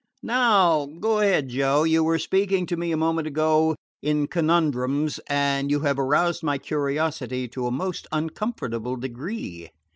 "Now go ahead, Joe. You were speaking to me a moment ago in conundrums, and you have aroused my curiosity to a most uncomfortable degree."